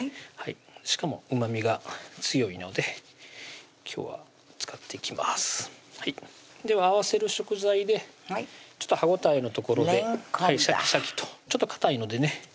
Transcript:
しかもうまみが強いので今日は使っていきますでは合わせる食材で歯応えのところでれんこんだシャキシャキとちょっとかたいのでね